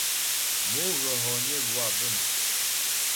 Mo ghə̀ hɔgnə lwâ bə̀m.